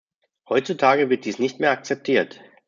Heutzutage wird dies nicht mehr akzeptiert.